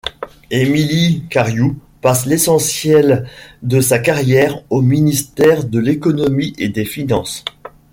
Émilie Cariou passe l'essentiel de sa carrière au ministère de l'Économie et des Finances.